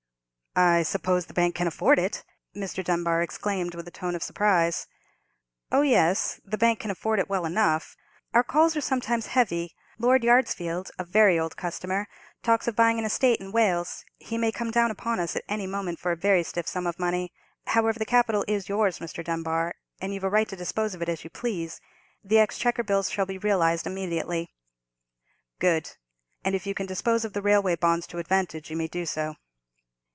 "I suppose the bank can afford it!" Mr. Dunbar exclaimed, with a tone of surprise. "Oh, yes; the bank can afford it well enough. Our calls are sometimes heavy. Lord Yarsfield—a very old customer—talks of buying an estate in Wales; he may come down upon us at any moment for a very stiff sum of money. However, the capital is yours, Mr. Dunbar; and you've a right to dispose of it as you please. The Exchequer bills shall be realized immediately." "Good; and if you can dispose of the railway bonds to advantage, you may do so."